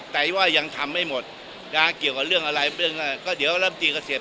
แต่ว่ายังทำไม่หมดนะฮะเกี่ยวกับเรื่องอะไรเดี๋ยวเริ่มตีเกษตร